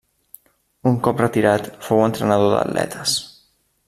Un cop retirat fou entrenador d'atletes.